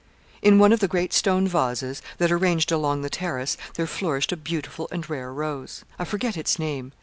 In one of the great stone vases, that are ranged along the terrace, there flourished a beautiful and rare rose. I forget its name.